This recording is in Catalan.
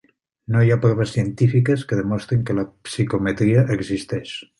No hi ha proves científiques que demostrin que la psicometria existeix.